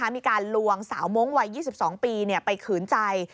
มีการลวงสาวมงค์วัย๒๒ปีไปขืนใจ